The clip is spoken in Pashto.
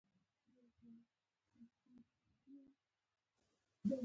که یهودیان د ژړا دیوال نه سر راپورته کړي جومات او ګنبده ورته ښکاري.